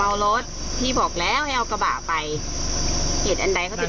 อ๋อเอาหรอก็เห็นเหมือนว่าจะพาไปซื้อนักเรียน